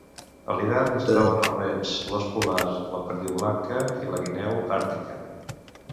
A l'hivern es troben els rens, l'ós polar, la perdiu blanca i la guineu àrtica.